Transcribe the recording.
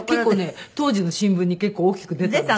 当時の新聞に結構大きく出たんですよ。